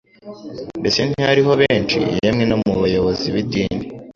Mbese ntihariho benshi, yemwe no mu bayobozi b’idini,